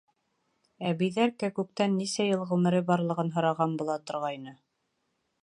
Әбейҙәр кәкүктән нисә йыл ғүмере барлығын һораған була торғайны.